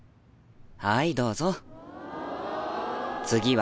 はいどうぞ。